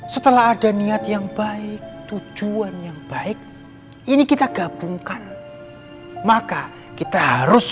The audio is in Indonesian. setelah ada niat yang baik tujuan yang baik ini kita gabungkan maka kita harus